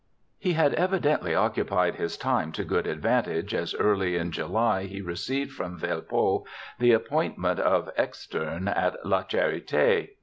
He had evidently occupied his time to good advantage, as early in July he received from Velpeau the appoint ment of ex feme at La Charite.